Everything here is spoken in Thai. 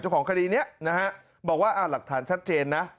ของคดีนี้นะฮะบอกว่าหลักฐานชัดเจนนะ